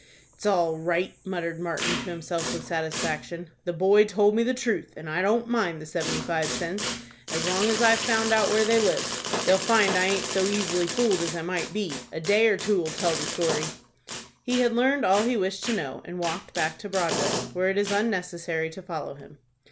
"It's all right!" muttered Martin to himself with satisfaction. "The boy told me the truth, and I don't mind the seventy five cents, as long as I've found out where they live. They'll find I aint so easily fooled as I might be. A day or two'll tell the story." He had learned all he wished to know, and walked back to Broadway, where it is unnecessary to follow him.